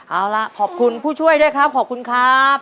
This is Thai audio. เอาล่ะขอบคุณผู้ช่วยด้วยครับขอบคุณครับ